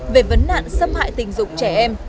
về vấn nạn xâm hại tình dục trẻ em